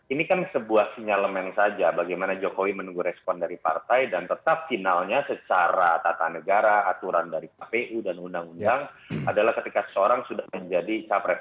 ini kan sebuah sinyalemen saja bagaimana jokowi menunggu respon dari partai dan tetap finalnya secara tata negara aturan dari kpu dan undang undang adalah ketika seseorang sudah menjadi capres